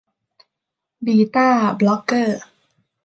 บีต้าบล็อคเกอร์